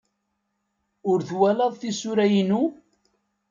Ur twalaḍ tisura-inu?